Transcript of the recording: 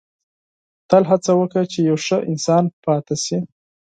• تل هڅه وکړه چې یو ښه انسان پاتې شې.